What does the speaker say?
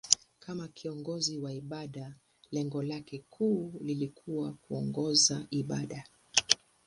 Kama kiongozi wa ibada, lengo lake kuu lilikuwa kuongoza ibada.